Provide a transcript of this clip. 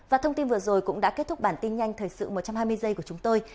và thông tin vừa rồi cũng đã kết thúc bản tin nhanh thời sự một trăm hai mươi giây của chúng tôi